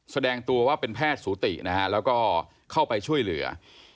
แสดงตัวว่าเป็นแพทย์สูตินะฮะแล้วก็เข้าไปช่วยเหลือ